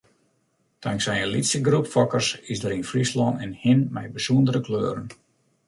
Tanksij in lytse groep fokkers is der yn Fryslân in hin mei bysûndere kleuren.